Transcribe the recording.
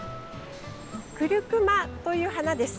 クルクマという花です。